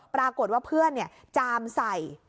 ปรากฏว่าเพื่อนจามใส่